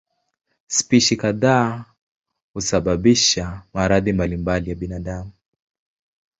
Spishi kadhaa husababisha maradhi mbalimbali ya binadamu.